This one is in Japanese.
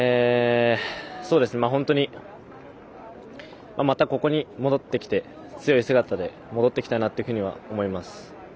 本当に、またここに戻ってきて強い姿で戻ってきたいなと思います。